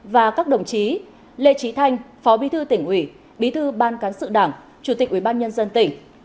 và các đồng chí lê trí thanh phó bí tư tỉnh ủy bí tư ban cán sự đảng chủ tịch ủy ban nhân dân tỉnh